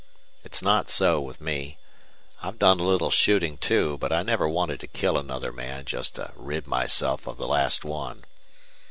It's not so with me. I've done a little shooting, too, but I never wanted to kill another man just to rid myself of the last one.